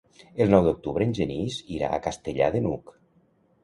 El nou d'octubre en Genís irà a Castellar de n'Hug.